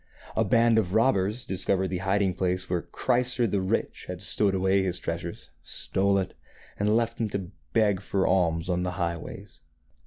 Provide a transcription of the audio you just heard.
A band of robbers discovered the hiding place where Chrysor the Rich had stowed away his treasures, stole it, and left him to beg for alms on the highways.